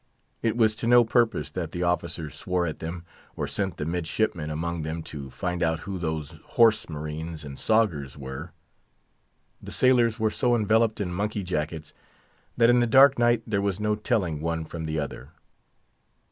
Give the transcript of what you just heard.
It was to no purpose that the officers swore at them, or sent the midshipmen among them to find out who those "horse marines" and "sogers" were. The sailors were so enveloped in monkey jackets, that in the dark night there was no telling one from the other.